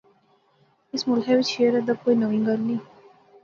اس ملخے وچ شعر ادب کوئی ناوی گل نئیں